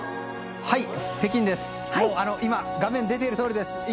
今、画面に出ているとおりです。